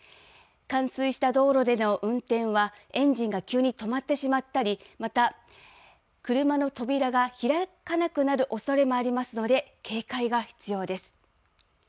冠水した道路での運転は、エンジンが急に止まってしまったり、また、車の扉が開かなくなるおそれもありますので、警戒が必要です。